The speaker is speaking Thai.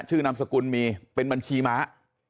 นามสกุลมีเป็นบัญชีม้า